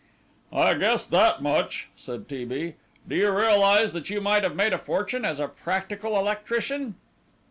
"I guessed that much," said T. B. "Do you realize that you might have made a fortune as a practical electrician?"